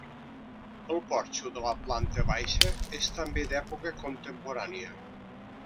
El porxo de la planta baixa, és també d'època contemporània.